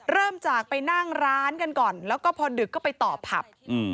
เริ่มจากไปนั่งร้านกันก่อนแล้วก็พอดึกก็ไปต่อผับ